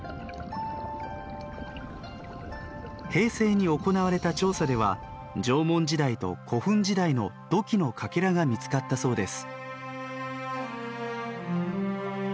平成に行われた調査では縄文時代と古墳時代の土器のかけらが見つかったそうです。